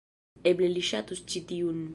Eble li ŝatus ĉi tiun